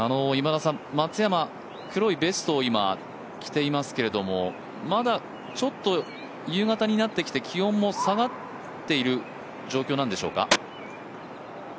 松山、黒いベストを今着ていますけどもまだちょっと、夕方になってきて気温も下がっている状況なんでしょうか？